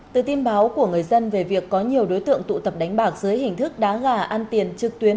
từ tin báo của người dân về việc có nhiều đối tượng tụ tập đánh bạc dưới hình thức đá gà ăn tiền trực tuyến